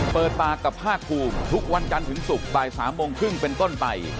เปิดปากกับภาคภูมิทุกวันจันทร์ถึงศุกร์บ่าย๓โมงครึ่งเป็นต้นไป